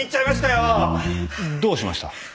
どうしました？